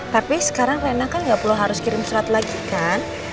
tapi sekarang rena kan nggak perlu harus kirim surat lagi kan